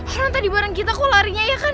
barang tadi bareng kita kok larinya ya kan